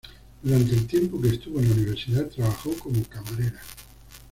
Durante el tiempo que estuvo en la universidad, trabajó como camarera.